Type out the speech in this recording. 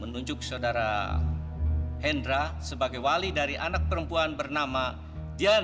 menunjuk saudara hendra sebagai wali dari anak perempuan bernama dian